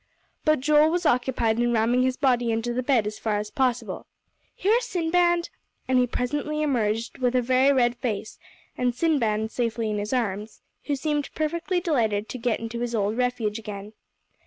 But Joel was occupied in ramming his body under the bed as far as possible. "Here, Sinbad," and he presently emerged with a very red face, and Sinbad safely in his arms, who seemed perfectly delighted to get into his old refuge again.